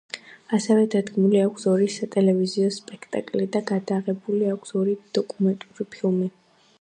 ასევე დადგმული აქვს ორი სატელევიზიო სპექტაკლი და გადაღებული აქვს ორი დოკუმენტური ფილმი.